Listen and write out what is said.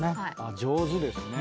上手ですね。